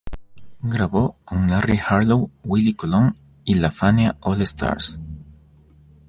Grabó con Larry Harlow, Willie Colón y la Fania All-Stars.